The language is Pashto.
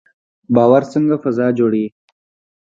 باور څنګه فضا جوړوي؟